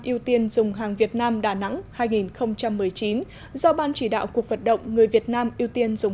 ưu tiên dùng hàng việt nam đà nẵng hai nghìn một mươi chín do ban chỉ đạo cuộc vận động người việt nam ưu tiên dùng